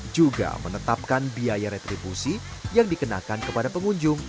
juga menetapkan biaya retribusi yang dikenakan kepada pengunjung